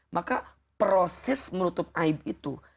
maka proses menutup aib itu